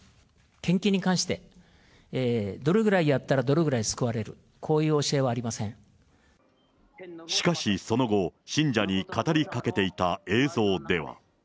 献金に関して、どれぐらいやったらどれぐらい救われる、こういう教えはありませしかしその後、信者に語りかけていた映像では。